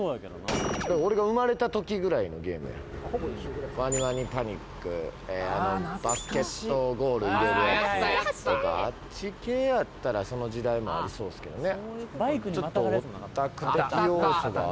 俺が生まれた時ぐらいのゲームやワニワニパニックバスケットゴール入れるやつとかあっち系やったらその時代もありそうですけどね